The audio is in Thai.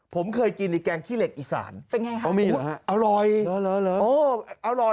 ผมเคยกินในแกงขี้เหล็กอีสานเป็นไงครับอ๋อมีเหรอฮะอร่อย